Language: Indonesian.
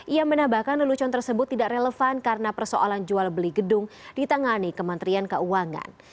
ia menambahkan lelucon tersebut tidak relevan karena persoalan jual beli gedung ditangani kementerian keuangan